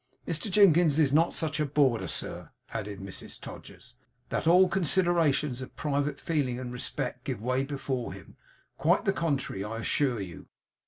Mr Jinkins is not such a boarder, sir,' added Mrs Todgers, 'that all considerations of private feeling and respect give way before him. Quite the contrary, I assure you.